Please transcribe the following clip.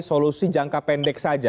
solusi jangka pendek saja